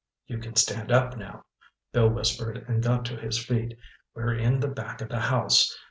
"You can stand up now," Bill whispered and got to his feet. "We're in the back of the house.